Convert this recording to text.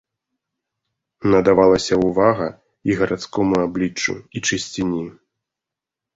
Надавалася ўвага і гарадскому абліччу і чысціні.